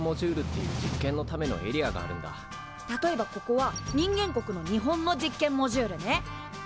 例えばここは人間国の日本の実験モジュールね。